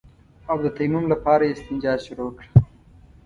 او د تيمم لپاره يې استنجا شروع کړه.